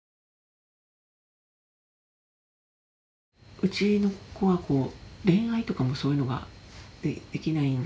うちの子はこう恋愛とかそういうのができないんですよね。